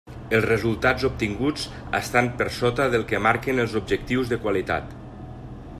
Els resultats obtinguts estan per sota del que marquen els objectius de qualitat.